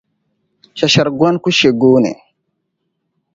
Shɛshɛri' goni ku she gooni.